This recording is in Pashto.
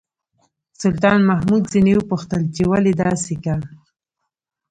سلطان محمود ځنې وپوښتل چې ولې داسې کا.